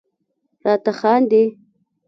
راته خاندي..